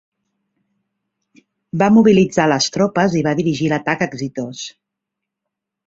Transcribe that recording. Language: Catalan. Va "mobilitzar les tropes i va dirigir l'atac exitós".